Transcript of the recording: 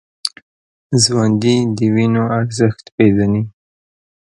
ژوندي د وینو ارزښت پېژني